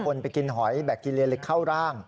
คนไปกินหอยแบคกิเลเลยเข้าร่าง